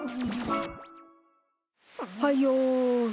はいよし。